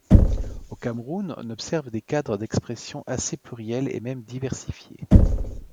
Au Cameroun, on observe des cadres d'expression assez pluriels et même diversifiés.